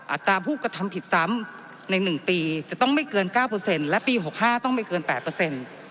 อัตราภูกฐำผิดซ้ำในหนึ่งปีจะต้องไม่เกิน๙และปี๖๕ต้องไม่เกิน๘